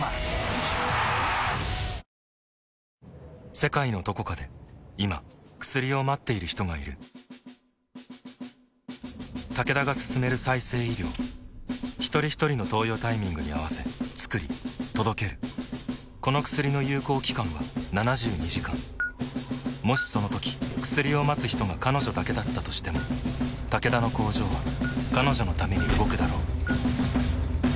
世界のどこかで今薬を待っている人がいるタケダが進める再生医療ひとりひとりの投与タイミングに合わせつくり届けるこの薬の有効期間は７２時間もしそのとき薬を待つ人が彼女だけだったとしてもタケダの工場は彼女のために動くだろう